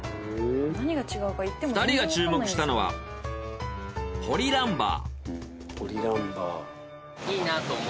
２人が注目したのはポリランバー。